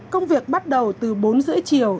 công việc bắt đầu từ bốn h ba mươi chiều